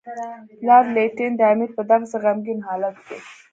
لارډ لیټن د امیر په دغسې غمګین حالت کې.